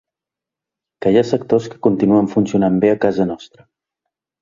Que hi ha sectors que continuen funcionant bé a casa nostra.